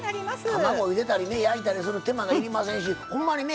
卵ゆでたりね焼いたりする手間がいりませんしほんまにね